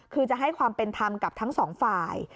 คือจะให้ความเป็นธรรมกับทั้งสองฝ่าย